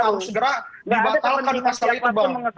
kalau tidak ada harus segera dibatalkan pasal itu bang